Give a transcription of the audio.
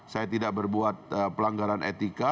saya tidak berbuat pelanggaran etika